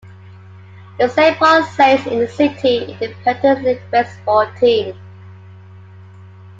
The Saint Paul Saints is the city's independent league baseball team.